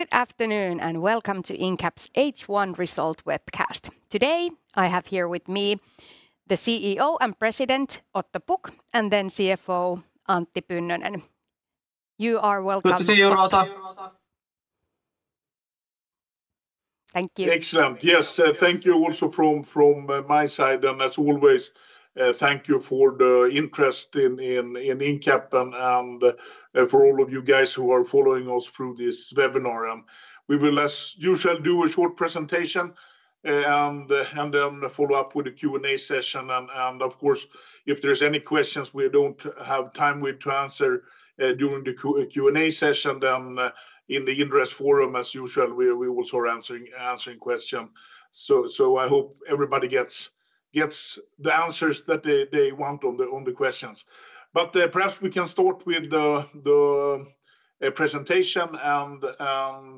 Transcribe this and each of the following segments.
Good afternoon, welcome to Incap's H1 Result webcast. Today, I have here with me the CEO and President, Otto Pukk, and then CFO, Antti Pynnönen. You are welcome. Good to see you, Rosa. Thank you. Excellent. Yes, thank you also from, from my side, and as always, thank you for the interest in, in, in Incap and for all of you guys who are following us through this webinar. We will, as usual, do a short presentation, and then follow up with a Q&A session. Of course, if there's any questions we don't have time with to answer during the Q&A session, then in the interest forum, as usual, we, we're also answering, answering question. So I hope everybody gets, gets the answers that they, they want on the, on the questions. Perhaps we can start with the, the presentation and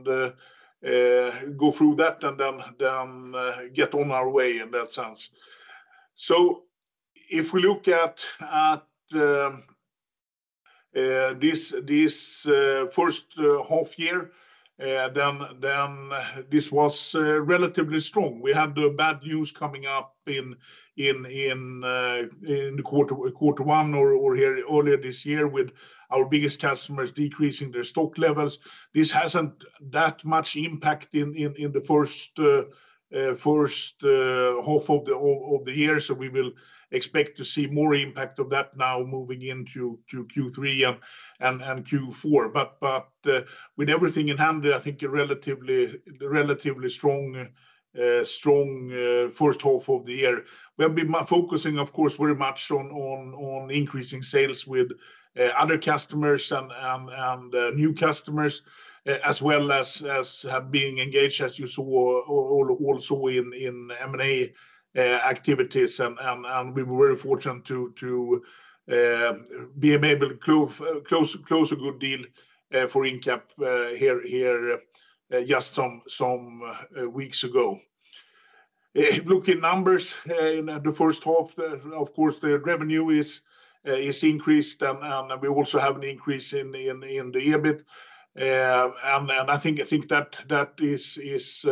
go through that, and then, then get on our way in that sense. If we look at, at this, this H1 year, then then this was relatively strong. We had the bad news coming up in, in, in in the quarter, quarter one or, or here earlier this year with our biggest customers decreasing their stock levels. This hasn't that much impact in, in, in the first H1 of the year, so we will expect to see more impact of that now moving into to Q3 and, and, and Q4. With everything in hand, I think a relatively, relatively strong strong H1 of the year. We have been focusing, of course, very much on, on, on increasing sales with other customers and, and, and new customers, as well as have been engaged, as you saw, also in M&A activities. We were very fortunate to be able to close, close a good deal for Incap here, here, just some, some weeks ago. Looking numbers in the H1, of course, the revenue is increased, and, and we also have an increase in the, in the, in the EBIT. I think, I think that, that is, is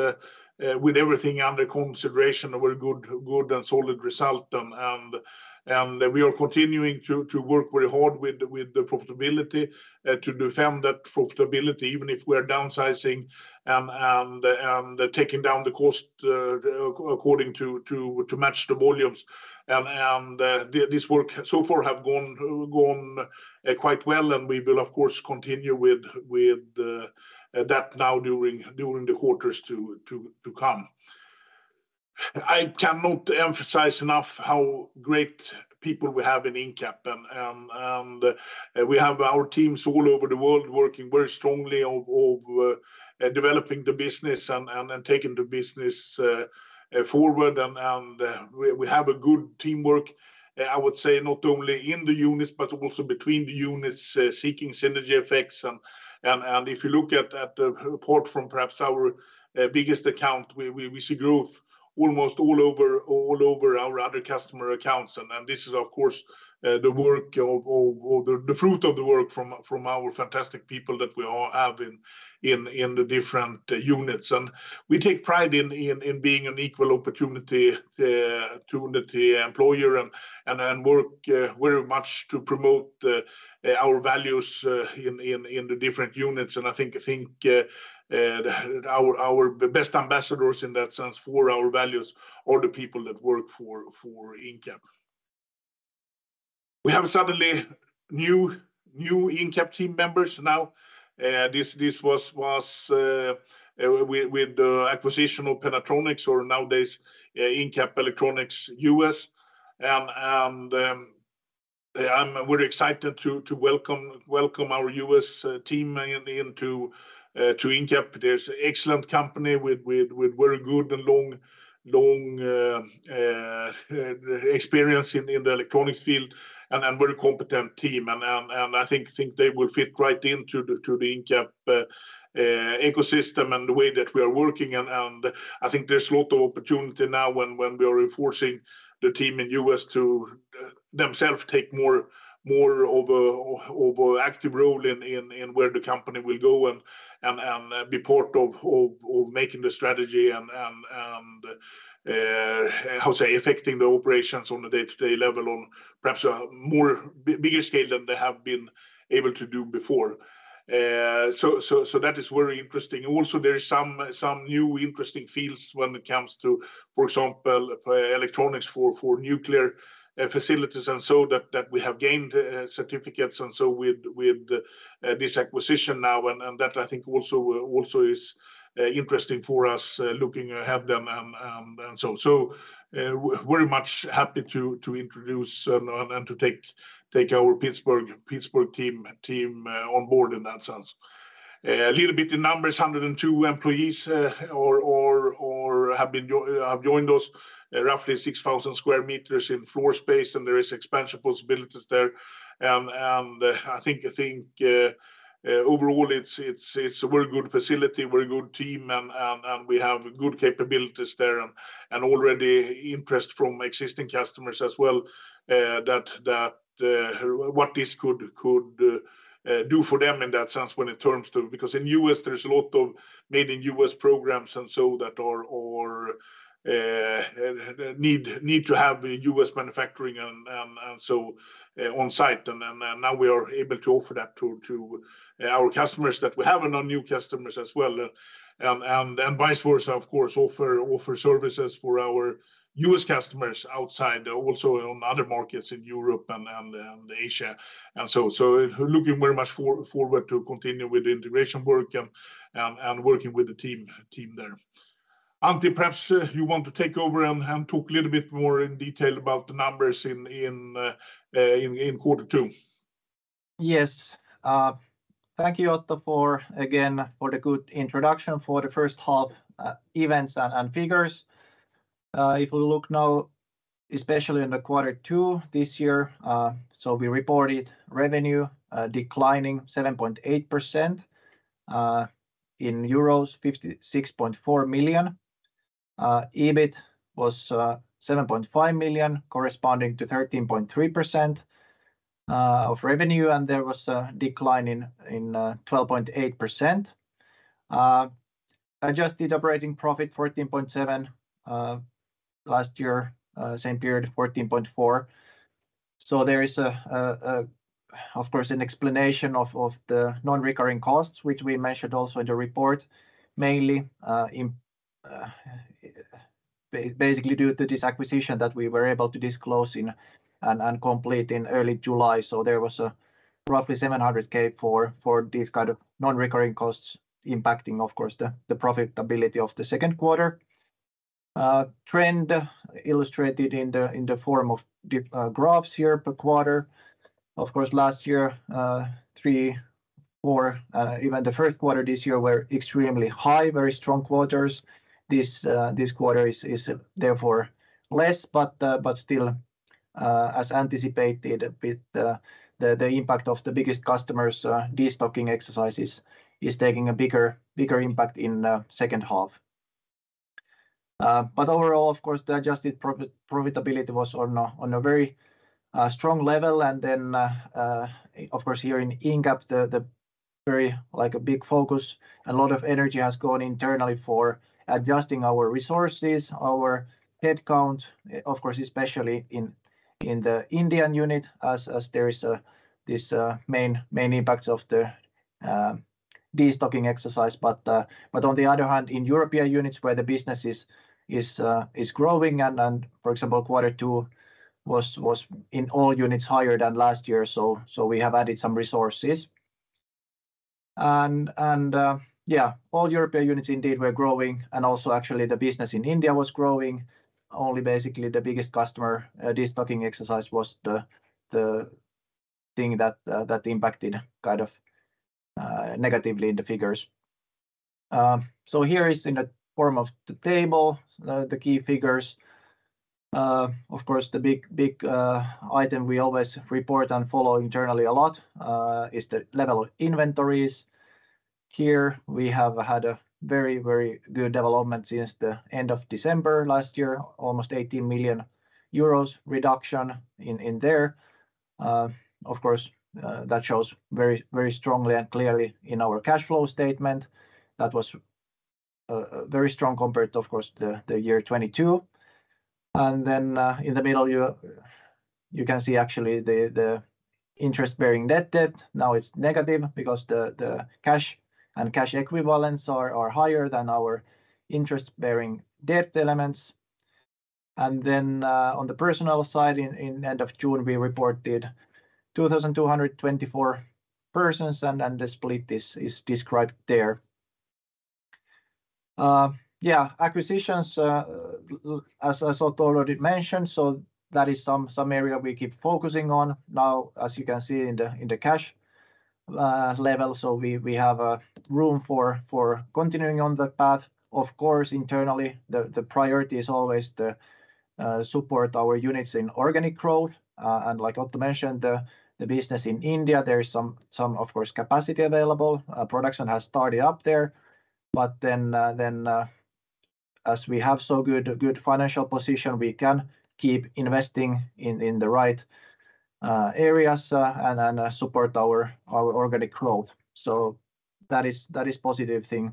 with everything under consideration, a very good, good and solid result. We are continuing to, to work very hard with the, with the profitability, to defend that profitability, even if we are downsizing and, and, and taking down the cost, according to, to, to match the volumes. This work so far have gone, gone, quite well, and we will, of course, continue with, with, that now during, during the quarters to, to, to come. I cannot emphasize enough how great people we have in Incap and, and, and we have our teams all over the world working very strongly of, of, developing the business and, and, and taking the business, forward. We have a good teamwork, I would say, not only in the units but also between the units, seeking synergy effects. If you look at, at the report from perhaps our, biggest account, we, we, we see growth almost all over, all over our other customer accounts. This is, of course, the work of... the fruit of the work from, from our fantastic people that we all have in, in, in the different units. We take pride in, in, in being an equal opportunity, opportunity employer and, and, and work, very much to promote, our values, in, in, in the different units. I think, I think, our, our best ambassadors in that sense, for our values, are the people that work for, for Incap. We have suddenly new, new Incap team members now. This, this was, was, with, with the acquisition of Pennatronics, or nowadays, Incap Electronics US. I'm very excited to welcome our U.S. team into Incap. There's excellent company with very good and long experience in the electronics field and very competent team. I think they will fit right into the Incap ecosystem and the way that we are working. I think there's a lot of opportunity now when we are enforcing the team in U.S. to themselves take more of a active role in where the company will go and be part of making the strategy and how say, affecting the operations on a day-to-day level on perhaps a bigger scale than they have been able to do before. So, so, so that is very interesting. There is some, some new interesting fields when it comes to, for example, electronics for, for nuclear facilities, So that, that we have gained certificates, and so with, with this acquisition now, That I think also, also is interesting for us, looking ahead then, and so. So, very much happy to, to introduce, and, and to take, take our Pittsburgh, Pittsburgh team, team on board in that sense. A little bit in numbers, 102 employees, or, or, or have joined us, roughly 6,000 square meters in floor space, There is expansion possibilities there. I think, I think, overall it's, it's, it's a very good facility, very good team, and we have good capabilities there and already interest from existing customers as well, that, that, what this could, could, do for them in that sense when it turns to. Because in U.S, there's a lot of made in U.S programs, and so that are, or, need, need to have US manufacturing and so on site. Now we are able to offer that to our customers that we have and our new customers as well. Vice versa, of course, offer services for our U.S customers outside, also on other markets in Europe and Asia. Looking very much forward to continue with the integration work and working with the team there. Antti, perhaps you want to take over and talk a little bit more in detail about the numbers in quarter two? Yes. Thank you, Otto, for again, for the good introduction for the first half events and figures. If we look now, especially in the Q2 this year, we reported revenue declining 7.8%, in euros 56.4 million. EBIT was 7.5 million, corresponding to 13.3% of revenue, and there was a decline in 12.8%. Adjusted operating profit 14.7 million. Last year, same period, 14.4 million. There is, of course, an explanation of the non-recurring costs, which we mentioned also in the report, mainly in basically due to this acquisition that we were able to disclose in and complete in early July. There was a roughly 700,000 for these kind of non-recurring costs, impacting, of course, the profitability of the Q2. Trend illustrated in the form of the graphs here per quarter. Of course, last year, Q3, Q4, even the Q1 this year were extremely high, very strong quarters. This quarter is therefore less, but still as anticipated, with the impact of the biggest customers, destocking exercises is taking a bigger, bigger impact in the H2. Overall, of course, the adjusted profitability was on a very strong level. Of course, here in Incap, the very, like a big focus and a lot of energy has gone internally for adjusting our resources, our headcount, of course, especially in the Indian unit, as there is a, this, main, main impact of the destocking exercise. On the other hand, in European units, where the business is, is growing and, for example, Q2 was in all units higher than last year. We have added some resources. Yeah, all European units indeed were growing, and also actually the business in India was growing. Only basically the biggest customer, destocking exercise was the thing that impacted kind of negatively in the figures. Here is in the form of the table, the key figures. Of course, the big, big item we always report and follow internally a lot, is the level of inventories. Here, we have had a very, very good development since the end of December last year, almost 80 million euros reduction in, in there. Of course, that shows very, very strongly and clearly in our cash flow statement. That was a very strong compared to, of course, the, the year 2022. In the middle, you, you can see actually the, the interest-bearing net debt. Now it's negative because the, the cash and cash equivalents are, are higher than our interest-bearing debt elements. On the personal side, in, in end of June, we reported 2,224 persons, and, and the split is, is described there. Yeah, acquisitions, as Otto already mentioned, that is some area we keep focusing on. Now, as you can see in the cash level, we have room for continuing on that path. Of course, internally, the priority is always to support our units in organic growth. Like Otto mentioned, the business in India, there is some, of course, capacity available. Production has started up there. Then, as we have so good, good financial position, we can keep investing in the right areas and support our organic growth. That is, that is positive thing.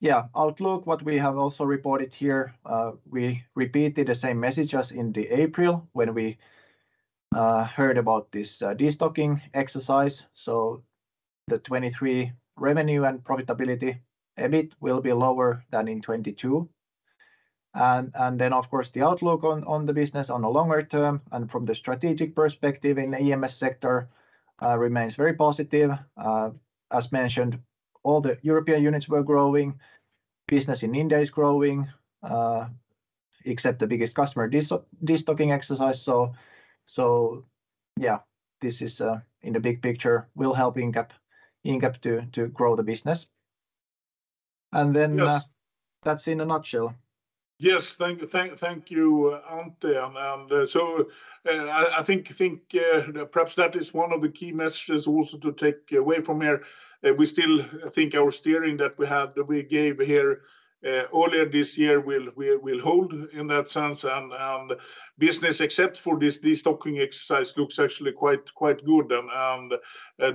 Yeah, outlook, what we have also reported here, we repeated the same message as in the April when we heard about this destocking exercise. The 2023 revenue and profitability, EBIT will be lower than in 2022. Then, of course, the outlook on the business on a longer term and from the strategic perspective in the EMS sector remains very positive. As mentioned, all the European units were growing. Business in India is growing, except the biggest customer destocking exercise. Yeah, this is, in the big picture, will help Incap, Incap to grow the business. Yes. That's in a nutshell. Yes. Thank, thank, thank you, Antti. I think, think, perhaps that is one of the key messages also to take away from here. We still think our steering that we have, that we gave here, earlier this year, will, will, will hold in that sense. Business, except for this destocking exercise, looks actually quite, quite good, and, and,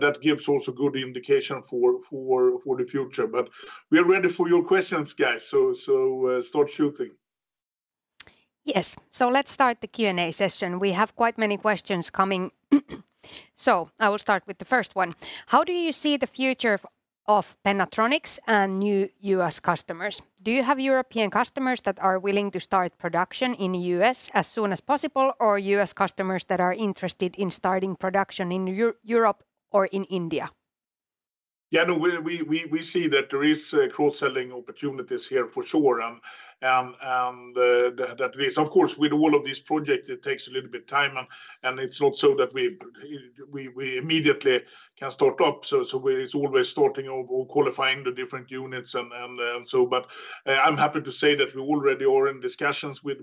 that gives also good indication for, for, for the future. We are ready for your questions, guys, so, so, start shooting. Yes. Let's start the Q&A session. We have quite many questions coming, so I will start with the first one. How do you see the future of Pennatronics and new U.S customers? Do you have European customers that are willing to start production in U.S as soon as possible, or U.S customers that are interested in starting production in Europe or in India? Yeah, no, we, we, we, we see that there is cross-selling opportunities here for sure, and, and, and, that, that is, of course, with all of this project, it takes a little bit time, and, and it's not so that we, we, we immediately can start up. So it's always starting over or qualifying the different units and, and, and so but, I'm happy to say that we already are in discussions with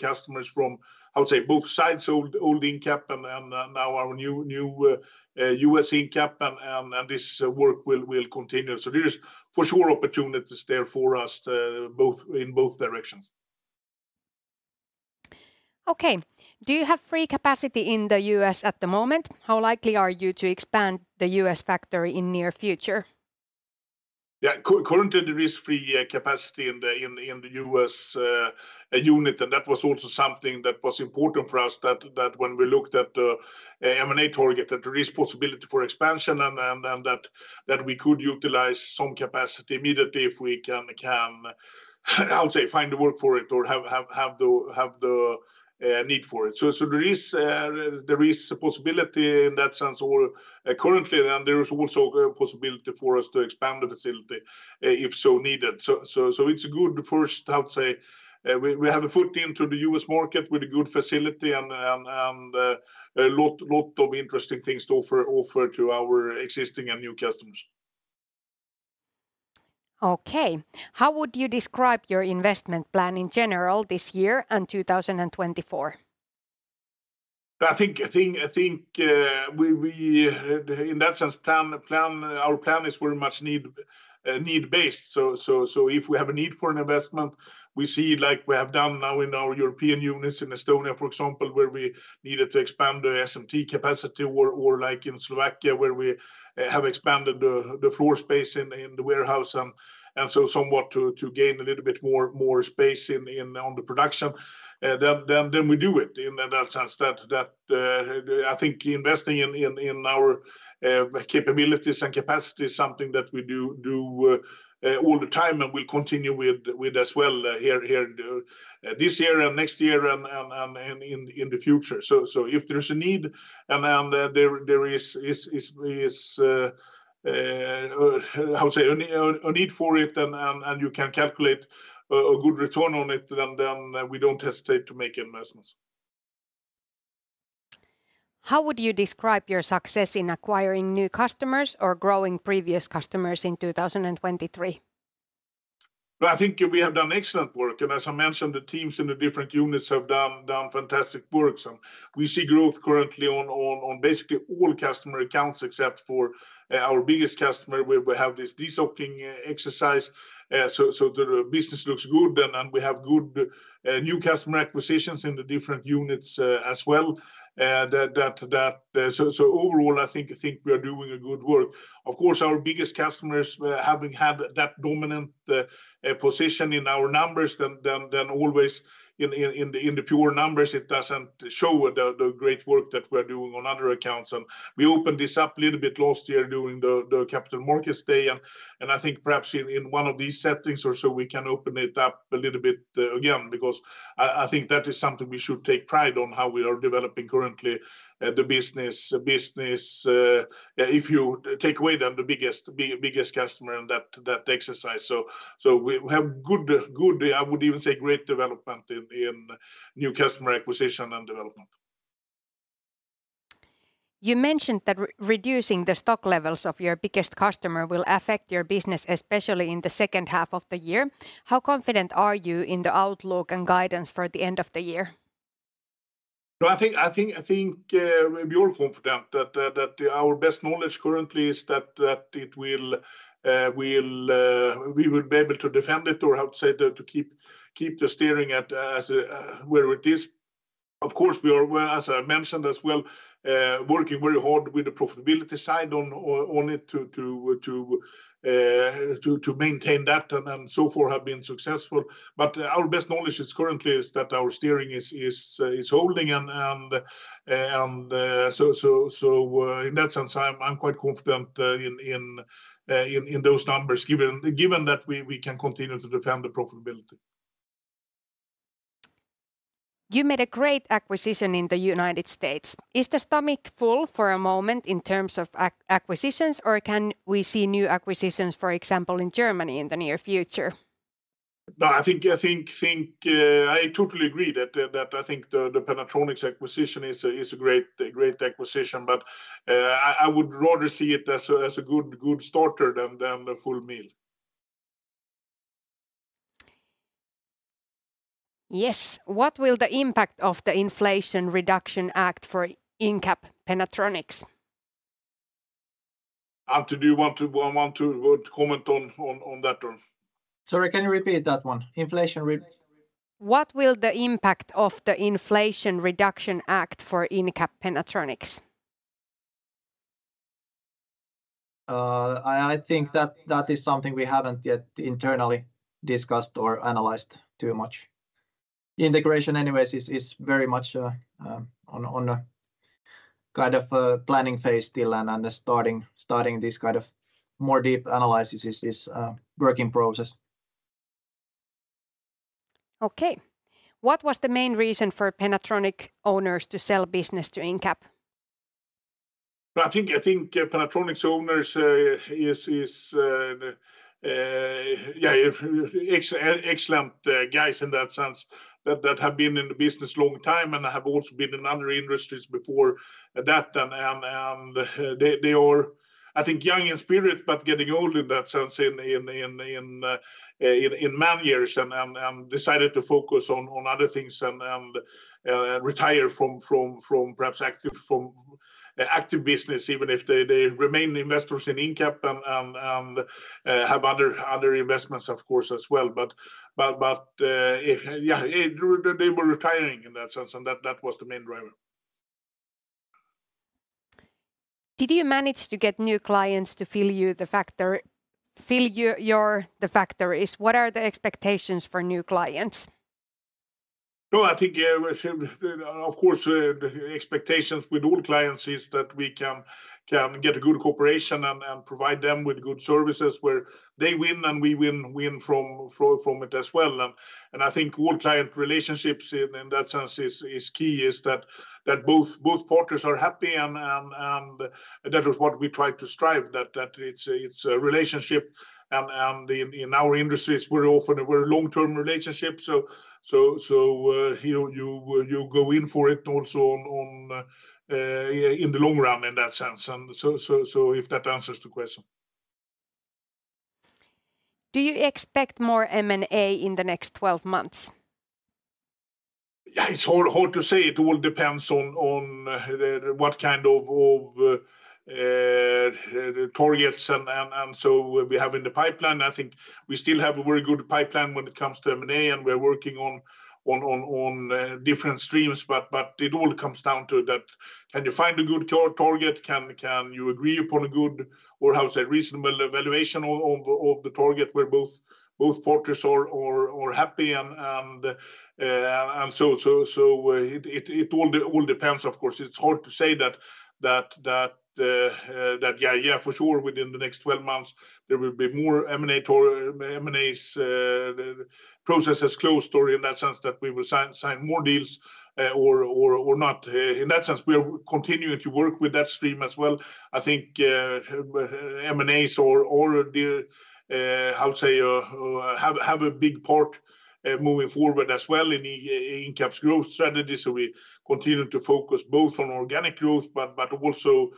customers from, I would say, both sides, old, old Incap, and then now our new, new U.S. Incap, and, and, and this work will, will continue. There is for sure opportunities there for us in both directions. Okay. Do you have free capacity in the U.S at the moment? How likely are you to expand the U.S factory in near future? Yeah, currently, there is free capacity in the U.S unit, and that was also something that was important for us that, that when we looked at the M&A target, that there is possibility for expansion and, and, and that, that we could utilize some capacity immediately if we can, can, I would say, find the work for it or have, have, have the, have the need for it. There is a possibility in that sense or currently, and there is also a possibility for us to expand the facility if so needed. It's a good first, I would say, we have a foot into the U.S market with a good facility and, and a lot, lot of interesting things to offer, offer to our existing and new customers. Okay. How would you describe your investment plan in general this year and 2024? I think, I think, I think, we, we, in that sense, plan, plan, our plan is very much need, need based. If we have a need for an investment, we see, like we have done now in our European units, in Estonia, for example, where we needed to expand the SMT capacity or, or like in Slovakia, where we have expanded the, the floor space in, in the warehouse, and so somewhat to, to gain a little bit more, more space in on the production, then, then, then we do it in that sense that, that, I think investing in, in, in our capabilities and capacity is something that we do, do, all the time and will continue with, with as well, here, here, this year and next year and, and, and in, in the future. So if there's a need, and then there, there is how to say, a need for it, and you can calculate a good return on it, then we don't hesitate to make investments. How would you describe your success in acquiring new customers or growing previous customers in 2023? I think we have done excellent work. As I mentioned, the teams in the different units have done, done fantastic work. We see growth currently on, on, on basically all customer accounts, except for our biggest customer, where we have this de-stocking exercise. The business looks good, and we have good new customer acquisitions in the different units as well. Overall, I think we are doing a good work. Of course, our biggest customers, having had that dominant position in our numbers than always in the pure numbers, it doesn't show the great work that we're doing on other accounts. We opened this up a little bit last year during the, the Capital Markets Day, and I think perhaps in, in one of these settings or so, we can open it up a little bit again, because I think that is something we should take pride on, how we are developing currently, the business, business, if you take away then the biggest, biggest customer and that, that exercise. We have good, good, I would even say great development in, in new customer acquisition and development. You mentioned that reducing the stock levels of your biggest customer will affect your business, especially in the H2 of the year. How confident are you in the outlook and guidance for the end of the year? I think, I think, I think, we are confident that, that our best knowledge currently is that, that it will, will, we will be able to defend it or how to say, to, to keep, keep the steering at, as, where it is. Of course, we are, as I mentioned as well, working very hard with the profitability side on, on it to, to, to, to, to maintain that, and so far have been successful. Our best knowledge is currently is that our steering is, is, is holding and, and, and, so, so, so in that sense, I'm, I'm quite confident, in, in, in, in those numbers, given, given that we, we can continue to defend the profitability. You made a great acquisition in the United States. Is the stomach full for a moment in terms of acquisitions, or can we see new acquisitions, for example, in Germany, in the near future? No, I think, I think I totally agree that I think the Pennatronics acquisition is a great, great acquisition, but I would rather see it as a good, good starter than the full meal. Yes. What will the impact of the Inflation Reduction Act for Incap Pennatronics? Antti, do you want to, want to comment on, on, on that one? Sorry, can you repeat that one? What will the impact of the Inflation Reduction Act for Incap Pennatronics?... I, I think that that is something we haven't yet internally discussed or analyzed too much. Integration anyways is, is very much on a, on a kind of a planning phase still and, and starting, starting this kind of more deep analysis is, is working process. Okay. What was the main reason for Pennatronics owners to sell business to Incap? I think, I think Pennatronics' owners is, is, yeah, excellent guys in that sense, that have been in the business long time and have also been in other industries before that. They, they are, I think, young in spirit, but getting old in that sense in, in, in, in many years and decided to focus on other things and retire from active business, even if they remain investors in Incap and have other, other investments, of course, as well. Yeah, they were retiring in that sense, and that, that was the main driver. Did you manage to get new clients to fill your, the factories? What are the expectations for new clients? No, I think, of course, the expectations with all clients is that we can, can get a good cooperation and, and provide them with good services where they win, and we win, win from, from, from it as well. I think all client relationships in, in that sense is, is key, is that, that both, both parties are happy and, and, and that is what we try to strive, that, that it's a, it's a relationship. In, in our industries, we're often a very long-term relationship. You, you, you go in for it also on, on, yeah, in the long run, in that sense. If that answers the question. Do you expect more M&A in the next 12 months? Yeah, it's hard, hard to say. It all depends on the what kind of targets and so we have in the pipeline. I think we still have a very good pipeline when it comes to M&A, and we're working on different streams. It all comes down to that: Can you find a good car target? Can you agree upon a good or, how to say, reasonable evaluation of the target where both parties are happy? So it all depends, of course. It's hard to say that, that, that, that, yeah, yeah, for sure, within the next 12 months, there will be more M&A or M&As, processes closed, or in that sense, that we will sign, sign more deals, or, or, or not. In that sense, we are continuing to work with that stream as well. I think M&As or, or the, how to say, have, have a big part, moving forward as well in the Incap's growth strategy. We continue to focus both on organic growth but, but also,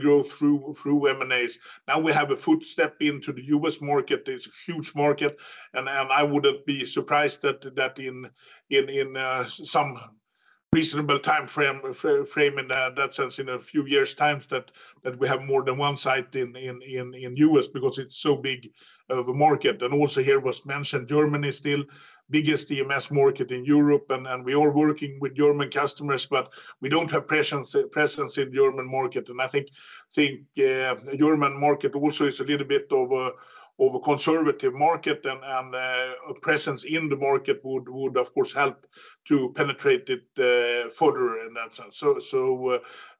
growth through, through M&As. Now we have a footstep into the U.S market. It's a huge market, and I wouldn't be surprised that in some reasonable timeframe, in that sense, in a few years' times, that we have more than one site in U.S because it's so big of a market. Also here was mentioned, Germany is still biggest EMS market in Europe, and we are working with German customers, but we don't have presence in the German market. I think German market also is a little bit of a conservative market, and a presence in the market would of course, help to penetrate it further in that sense.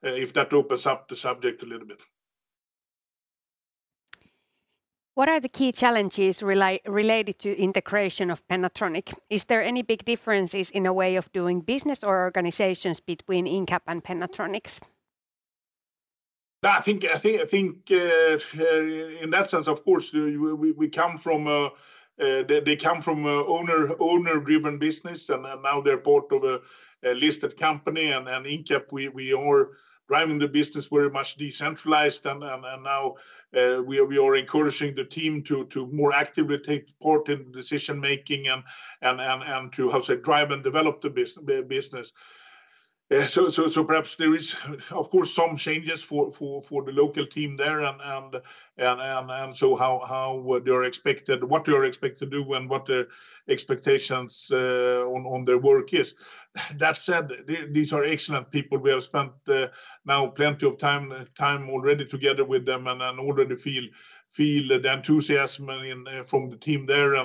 If that opens up the subject a little bit. What are the key challenges related to integration of Pennatronics? Is there any big differences in a way of doing business or organizations between Incap and Pennatronics? I think, I think, I think, in that sense, of course, we, we come from a, they, they come from a owner, owner-driven business, and now they're part of a, a listed company. Incap, we, we are driving the business very much decentralized. Now, we are encouraging the team to, to more actively take part in decision-making and to, how to say, drive and develop the business. Perhaps there is, of course, some changes for, for, for the local team there and so what they are expected to do and what the expectations on their work is. That said, these are excellent people. We have spent now plenty of time, time already together with them and already feel, feel the enthusiasm from the team there.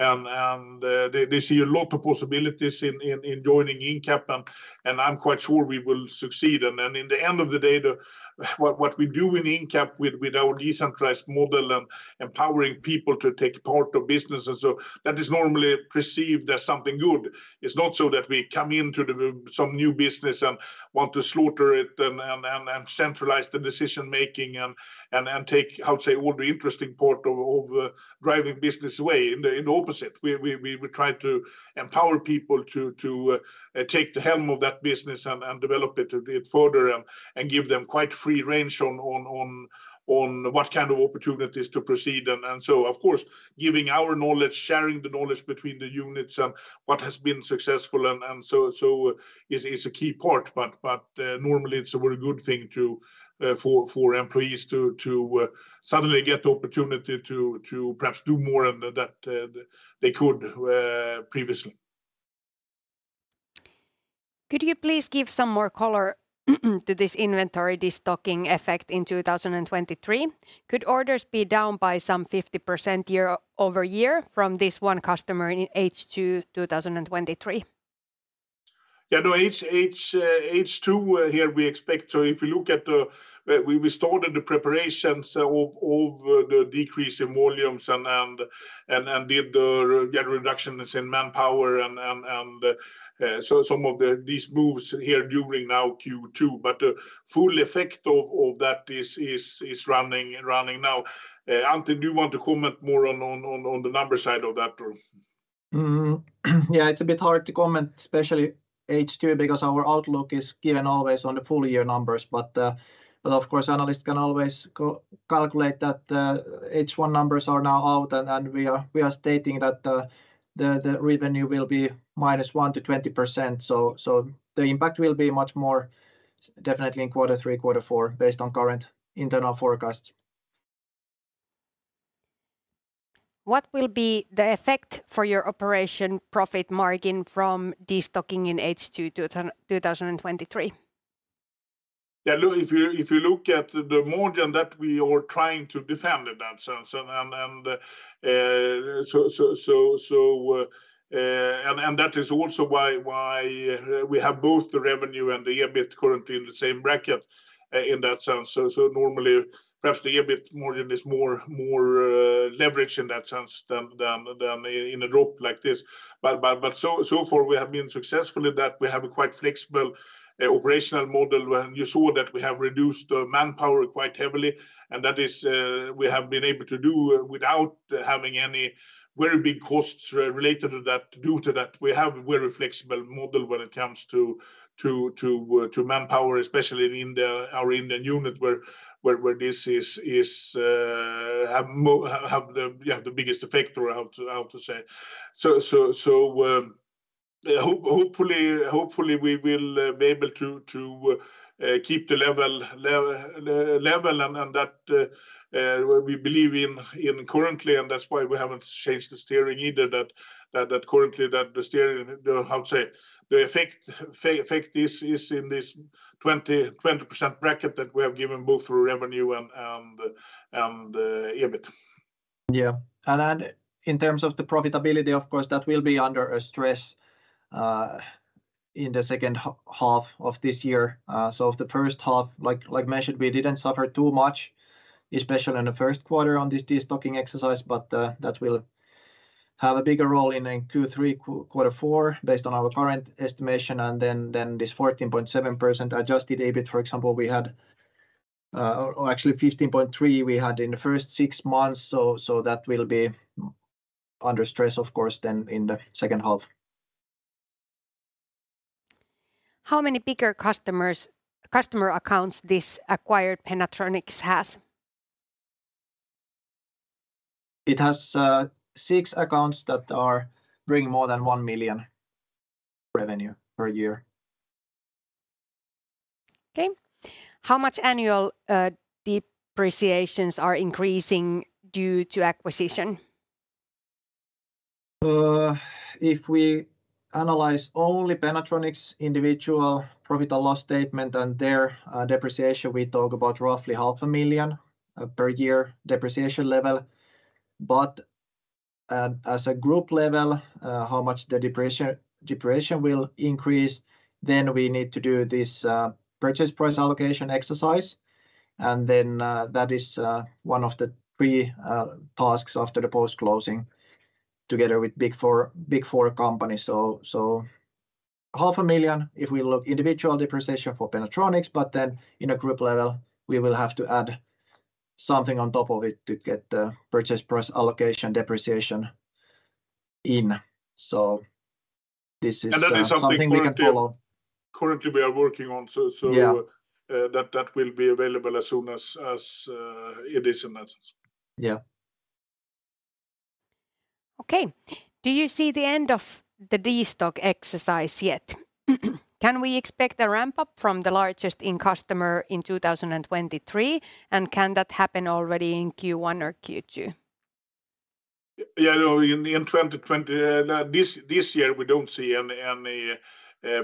They see a lot of possibilities in joining Incap, and I'm quite sure we will succeed. In the end of the day, what, what we do in Incap with our decentralized model and empowering people to take part of business, that is normally perceived as something good. It's not so that we come into some new business and want to slaughter it and centralize the decision-making and take, how to say, all the interesting part of driving business away. In the, in the opposite, we, we, we try to empower people to, to take the helm of that business and, and develop it a bit further and, and give them quite free range on, on, on, on what kind of opportunities to proceed. Of course, giving our knowledge, sharing the knowledge between the units and what has been successful and, and so, so is, is a key part. Normally it's a very good thing to, for, for employees to, to suddenly get the opportunity to, to perhaps do more and that, they could, previously. Could you please give some more color to this inventory destocking effect in 2023? Could orders be down by some 50% year-over-year from this one customer in H2 2023? Yeah, no, H2, here we expect. If you look at the, we, we started the preparations of the decrease in volumes and did the reductions in manpower and so some of these moves here during now Q2, but the full effect of that is running now. Antti, do you want to comment more on the number side of that? Yeah, it's a bit hard to comment, especially H2, because our outlook is given always on the full year numbers. Of course, analysts can always calculate that the H1 numbers are now out, and we are stating that the revenue will be -1%-20%. The impact will be much more definitely in Quarter three, Quarter four, based on current internal forecasts. What will be the effect for your operation profit margin from destocking in H2 2023? Yeah, look, if you, if you look at the margin that we are trying to defend in that sense, and that is also why we have both the revenue and the EBIT currently in the same bracket in that sense. Normally, perhaps the EBIT margin is more leverage in that sense than in a drop like this. So far, we have been successful in that we have a quite flexible operational model, and you saw that we have reduced the manpower quite heavily, and that is we have been able to do without having any very big costs related to that. Due to that, we have very flexible model when it comes to, to, to, to manpower, especially in the, our Indian unit, where, where, where this is, is, have the, yeah, the biggest effect or how to say? Hopefully, hopefully, we will be able to, to, to keep the level, level, and, and that, we believe in, in currently, and that's why we haven't changed the steering either, that, that, that currently, that the steering... The, how to say? The effect, effect is, is in this 20% bracket that we have given both through revenue and, and, and EBIT. Yeah. Then in terms of the profitability, of course, that will be under a stress in the H2 of this year. If the H1, like, like measured, we didn't suffer too much, especially in the first quarter on this destocking exercise, that will have a bigger role in the Q3, Q4, based on our current estimation, then this 14.7% adjusted EBIT, for example, we had, or actually 15.3%, we had in the first six months, so that will be under stress, of course, then in the H2. How many bigger customers, customer accounts this acquired Pennatronics has? It has six accounts that are bringing more than 1 million revenue per year. Okay. How much annual depreciations are increasing due to acquisition? If we analyze only Pennatronics individual profit loss statement and their depreciation, we talk about roughly 500,000 per year depreciation level. As a group level, how much the depreciation, depreciation will increase, then we need to do this purchase price allocation exercise, and then that is one of the three tasks after the post-closing together with Big4, Big4 company. 500,000, if we look individual depreciation for Pennatronics, but then in a group level, we will have to add something on top of it to get the purchase price allocation depreciation in. This is- that is something- something we can follow.... currently we are working on. Yeah... that, that will be available as soon as, as, it is in that sense. Yeah. Okay. Do you see the end of the destock exercise yet? Can we expect a ramp-up from the largest in customer in 2023, and can that happen already in Q1 or Q2? Yeah, no, in, in 2020, this, this year, we don't see any, any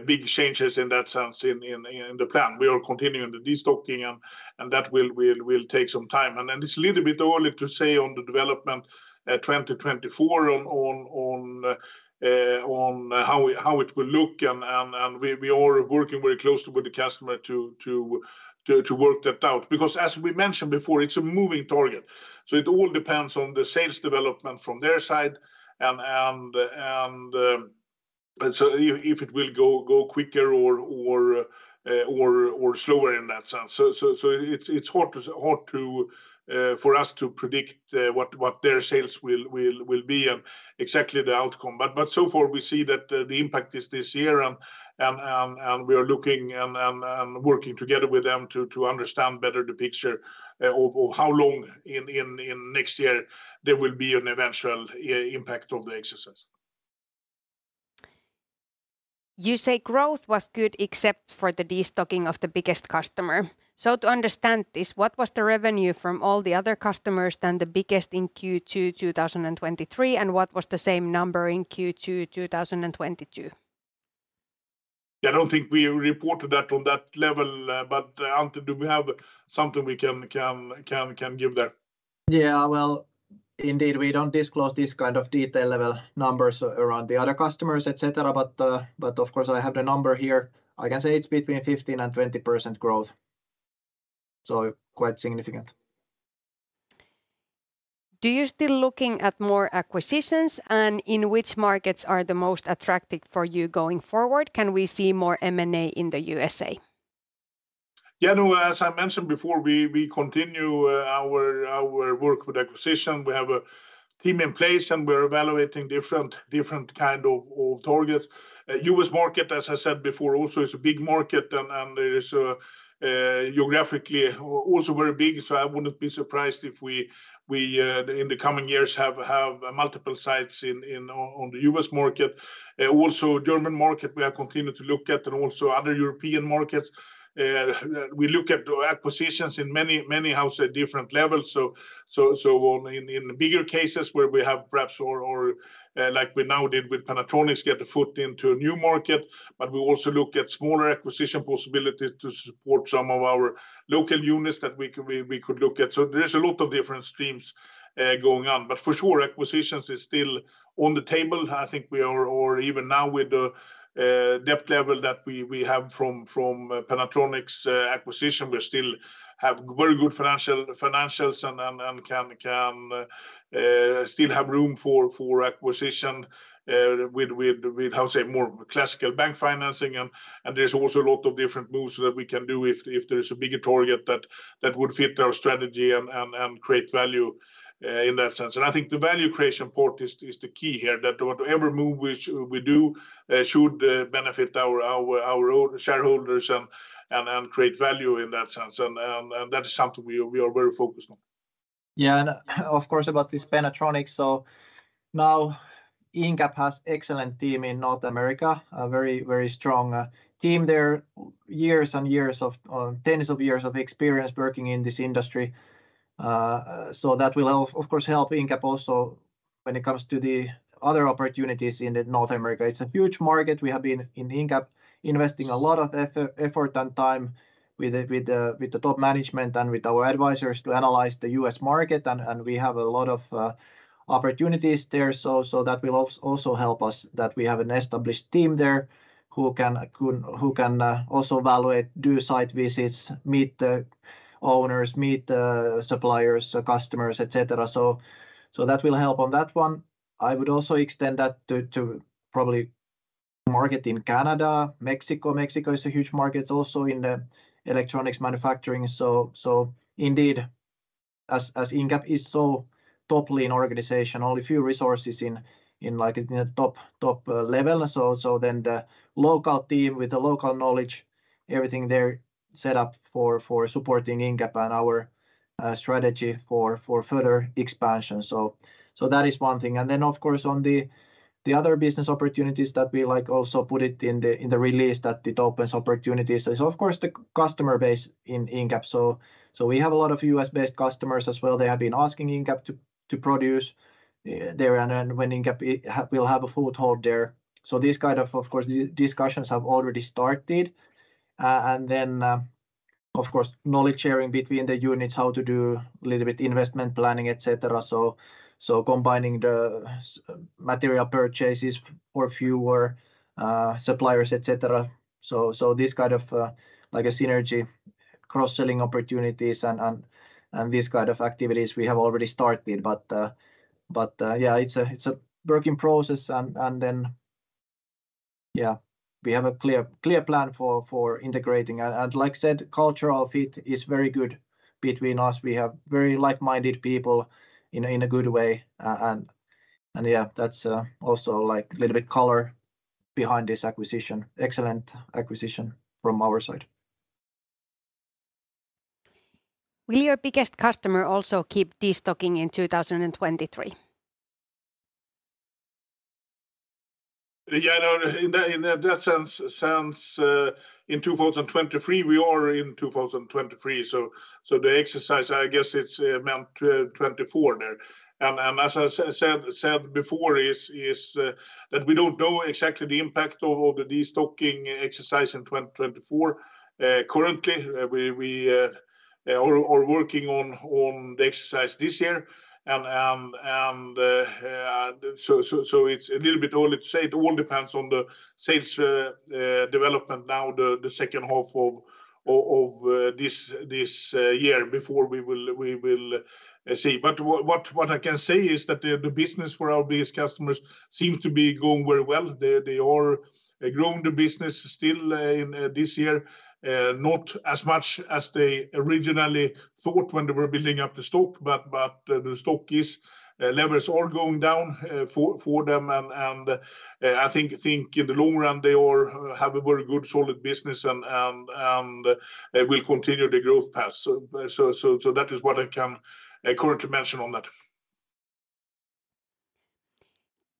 big changes in that sense in, in, in the plan. We are continuing the destocking, and that will, will, will take some time. Then it's a little bit early to say on the development, 2024 on, on, on how it, how it will look, and we, we are working very closely with the customer to, to, to, to work that out. Because as we mentioned before, it's a moving target. It all depends on the sales development from their side and, and, and, so if, if it will go, go quicker or, or, or, or slower in that sense. So, so, it's, it's hard to, hard to, for us to predict, what, what their sales will, will, will be and exactly the outcome. But so far, we see that, the impact is this year, and, and, and, and we are looking and, and, and working together with them to, to understand better the picture, of, of how long in, in, in next year there will be an eventual impact of the exercise. You say growth was good except for the destocking of the biggest customer. To understand this, what was the revenue from all the other customers than the biggest in Q2 2023, and what was the same number in Q2 2022?... Yeah, I don't think we reported that on that level, but Antti, do we have something we can, we can, can, can give there? Yeah, well, indeed, we don't disclose this kind of detail level numbers around the other customers, et cetera, but, but of course, I have the number here. I can say it's between 15% and 20% growth, so quite significant. Do you still looking at more acquisitions, and in which markets are the most attractive for you going forward? Can we see more M&A in the USA? Yeah, no, as I mentioned before, we, we continue our, our work with acquisition. We have a team in place, and we're evaluating different, different kind of, of targets. U.S market, as I said before, also is a big market, and it is geographically also very big. I wouldn't be surprised if we, we in the coming years have, have multiple sites in, in, on the U.S market. Also German market, we have continued to look at and also other European markets. We look at acquisitions in many, many, how say, different levels. So, so in, in the bigger cases where we have perhaps or, or, like we now did with Pennatronics, get a foot into a new market, but we also look at smaller acquisition possibilities to support some of our local units that we could, we, we could look at. There's a lot of different streams going on, but for sure, acquisitions is still on the table. I think we are even now with the depth level that we, we have from, from Pennatronics acquisition, we still have very good financial, financials and, and, and can, can still have room for, for acquisition with, with, with, how say, more classical bank financing. There's also a lot of different moves that we can do if, if there is a bigger target that, that would fit our strategy and, and, and create value in that sense. I think the value creation part is, is the key here, that whatever move which we do should benefit our, our, our shareholders and, and, and create value in that sense. That is something we are, we are very focused on. Yeah, of course, about this Pennatronics. Now, Incap has excellent team in North America, a very, very strong team there, years and years of tens of years of experience working in this industry. That will of, of course, help Incap also when it comes to the other opportunities in North America. It's a huge market. We have been in Incap investing a lot of effort and time with the, with the, with the top management and with our advisors to analyze the U.S market, and, and we have a lot of opportunities there. That will also help us, that we have an established team there who can, who, who can also evaluate, do site visits, meet the owners, meet the suppliers, the customers, et cetera. That will help on that one. I would also extend that to, to probably market in Canada, Mexico. Mexico is a huge market also in the electronics manufacturing. Indeed, as Incap is so top lean organization, only a few resources in like in the top, top level. Then the local team with the local knowledge, everything there set up for supporting Incap and our strategy for further expansion. That is one thing. Then, of course, on the other business opportunities that we like also put it in the release, that it opens opportunities is, of course, the customer base in Incap. We have a lot of U.S.-based customers as well. They have been asking Incap to produce there, and when Incap will have a foothold there. f course, discussions have already started. And then, of course, knowledge sharing between the units, how to do a little bit investment planning, et cetera. So combining the material purchases or fewer suppliers, et cetera. So this kind of, like a synergy, cross-selling opportunities and these kind of activities we have already started. But, yeah, it's a working process, and then, yeah, we have a clear, clear plan for integrating. And like I said, cultural fit is very good between us. We have very like-minded people in a good way. And, yeah, that's also like a little bit color behind this acquisition. Excellent acquisition from our side Will your biggest customer also keep destocking in 2023? Yeah, no, in that, in that sense, sense, in 2023, we are in 2023, the exercise, I guess, it's meant 2024 there. as I said, said before, is, is, that we don't know exactly the impact of the destocking exercise in 2024. currently, we, we, are, are working on, on the exercise this year, and, it's a little bit early to say. It all depends on the sales, development now, the, the H2 of, of, of, this, this, year before we will, we will, see. what, what I can say is that the, the business for our biggest customers seems to be going very well. They, they are growing the business still, in this year. Not as much as they originally thought when they were building up the stock, but, but the stock is, levels are going down, for, for them. I think, think in the long run, they all have a very good, solid business and, and, and, will continue the growth path. So, so, so that is what I can currently mention on that.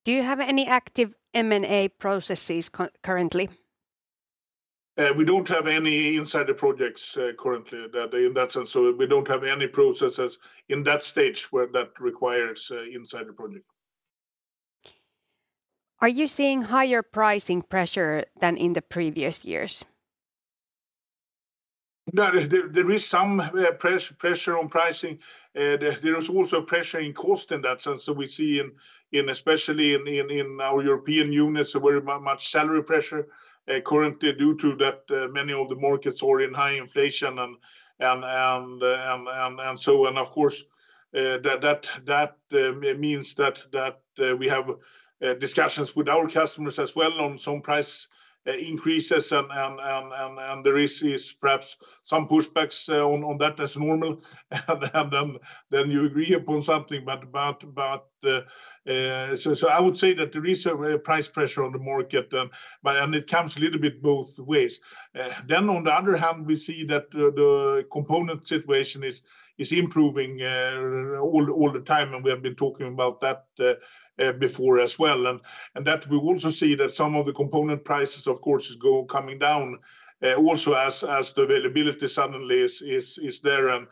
Do you have any active M&A processes currently? We don't have any insider projects, currently that in that sense, so we don't have any processes in that stage where that requires, insider project. Are you seeing higher pricing pressure than in the previous years? No, there, there, there is some pressure on pricing. There, there is also pressure in cost in that sense. We see in, in especially in, in, in our European units, very much salary pressure, currently due to that, many of the markets are in high inflation and so and of course, that, that, that, means that, that, we have discussions with our customers as well on some price increases and there is perhaps some pushbacks on that. That's normal. Then you agree upon something. I would say that there is a price pressure on the market, but... It comes a little bit both ways. On the other hand, we see that the, the component situation is, is improving, all, all the time, and we have been talking about that before as well. That we also see that some of the component prices, of course, is coming down, also as, as the availability suddenly is, is, is there.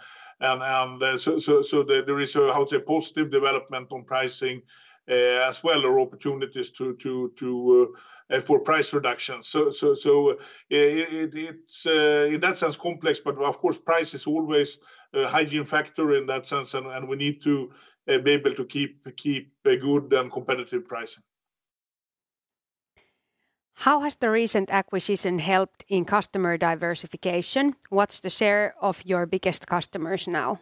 There, there is a, how to say, positive development on pricing, as well, or opportunities to, to, to, for price reductions. It, it's, in that sense, complex, but of course, price is always a hygiene factor in that sense, and, and we need to, be able to keep, keep a good and competitive pricing. How has the recent acquisition helped in customer diversification? What's the share of your biggest customers now?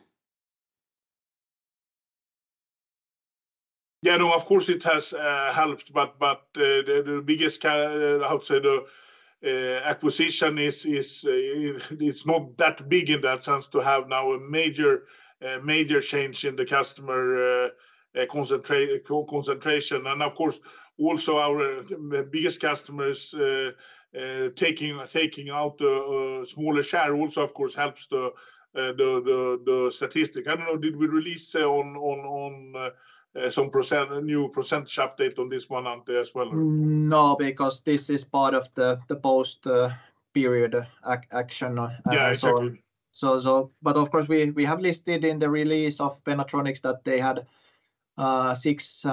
Yeah, no, of course it has helped, but the biggest acquisition is, it's not that big in that sense to have now a major, major change in the customer concentration. Of course, also our biggest customers taking, taking out a smaller share also, of course, helps the statistic. I don't know, did we release some percentage, a new percentage update on this one, Antti, as well? No, because this is part of the, the post, period action. Yeah, exactly. But of course, we, we have listed in the release of Pennatronics that they had six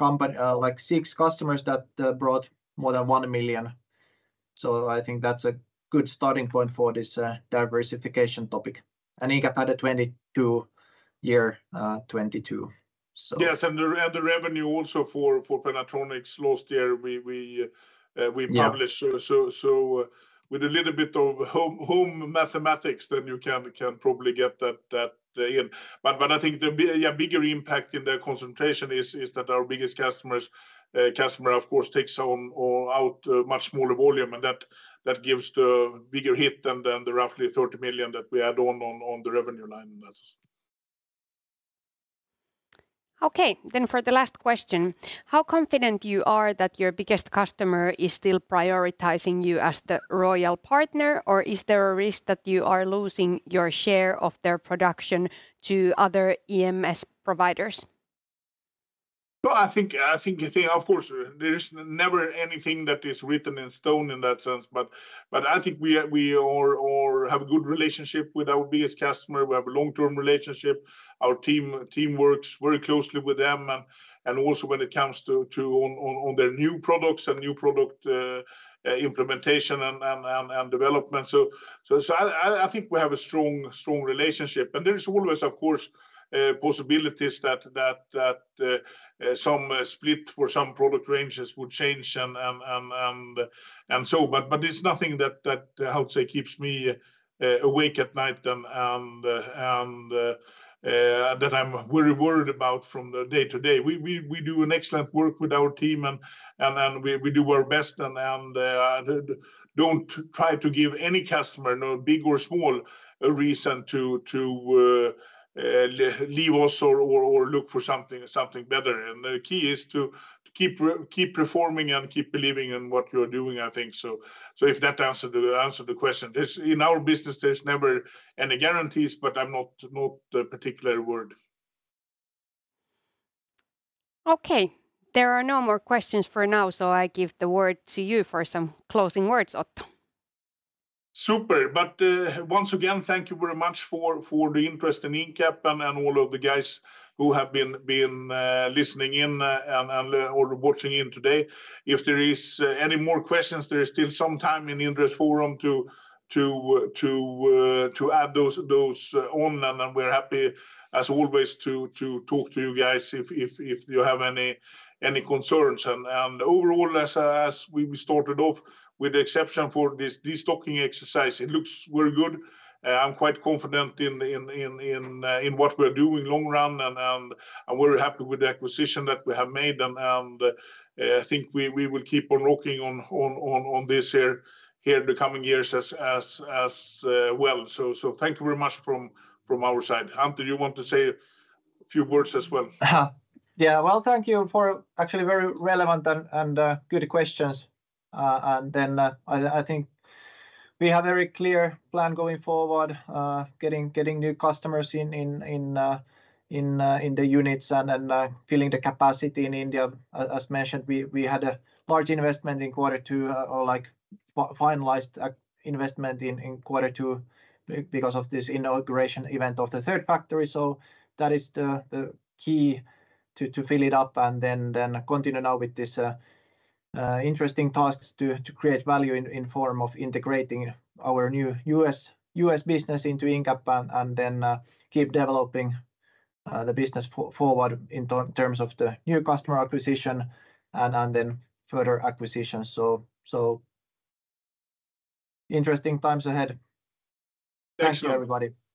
like six customers that brought more than 1 million. I think that's a good starting point for this diversification topic. Incap had a 2022 year 2022. Yes, and the, and the revenue also for, for Pennatronics last year, we, we, we published- Yeah... So, so, so with a little bit of home, home mathematics, then you can, can probably get that, that in. But I think the yeah, bigger impact in the concentration is, is that our biggest customers, customer, of course, takes on or out a much smaller volume, and that, that gives the bigger hit than, than the roughly 30 million that we add on, on, on the revenue line in that sense. Okay. For the last question: How confident you are that your biggest customer is still prioritizing you as the royal partner, or is there a risk that you are losing your share of their production to other EMS providers? Well, I think, I think, I think of course, there is never anything that is written in stone in that sense. I think we have a good relationship with our biggest customer. We have a long-term relationship. Our team, team works very closely with them, and, and also when it comes to, to, on, on, on their new products and new product implementation and, and, and, and development. So, so, so I, I, I think we have a strong, strong relationship, and there is always, of course, possibilities that, that, that some split or some product ranges would change and, and, and, and, and so... It's nothing that, that, how to say, keeps me awake at night and, and, and that I'm very worried about from the day to day. We, we, we do an excellent work with our team and, and, and we, we do our best and, and don't try to give any customer, no big or small, a reason to, to leave us or, or, or look for something, something better. The key is to keep performing and keep believing in what you're doing, I think so. If that answer the, answer the question. There's. In our business, there's never any guarantees, but I'm not, not particularly worried. Okay, there are no more questions for now, so I give the word to you for some closing words, Otto. Super. Once again, thank you very much for, for the interest in Incap and, and all of the guys who have been, been, listening in, and, or watching in today. If there is any more questions, there is still some time in the interest forum to, to, to, to add those, those on. We're happy, as always, to, to talk to you guys if, if, if you have any, any concerns. Overall, as, as we, we started off, with the exception for this destocking exercise, it looks very good. I'm quite confident in what we're doing long run, and I'm very happy with the acquisition that we have made, and I think we will keep on working on this here in the coming years as well. Thank you very much from our side. Antti, do you want to say a few words as well? Yeah. Well, thank you for actually very relevant and good questions. I think we have very clear plan going forward, getting new customers in the units and filling the capacity in India. As mentioned, we had a large investment in Q2, or like finalized investment in Q2 because of this inauguration event of the third factory. That is the key to fill it up and continue now with this interesting tasks to create value in form of integrating our new US business into Incap and keep developing the business forward in terms of the new customer acquisition and further acquisitions. Interesting times ahead. Thanks. Thank you, everybody.